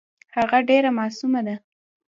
هغه ډېره معصومه ده .